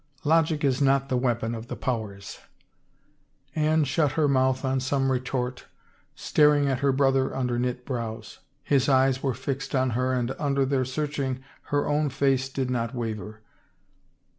" Logic is not the weapon of the powers." Anne shut her mouth on some retort, staring at her brother under knit brows. His eyes were fixed on her and under their searching her own face did not waver.